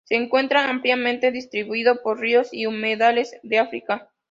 Se encuentra ampliamente distribuido por ríos y humedales de África.